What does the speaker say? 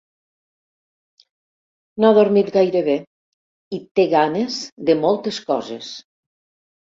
No ha dormit gaire bé i té ganes de moltes coses.